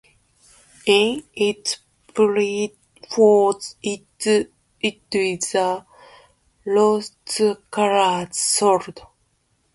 In its pure form it is a rust-colored solid.